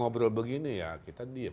ngobrol begini ya kita diem